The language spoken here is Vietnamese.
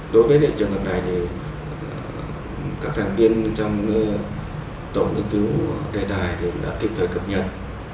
đối với trường hợp này các thành viên trong tổ nghiên cứu đề tài đã kịp thời cập nhật